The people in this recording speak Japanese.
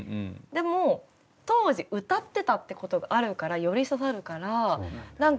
でも当時歌ってたってことがあるからより刺さるから何か。